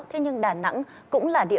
thế nhưng đà nẵng cũng là địa phương